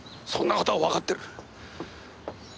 そんな事はわかってる。